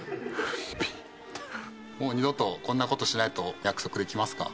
もう二度とこんな事しないと約束できますか。